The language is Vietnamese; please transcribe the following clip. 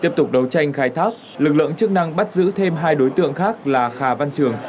tiếp tục đấu tranh khai thác lực lượng chức năng bắt giữ thêm hai đối tượng khác là hà văn trường